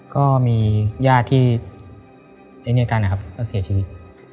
ก็มีญาติที่ได้เนื้อกันนะครับเสียชีวิต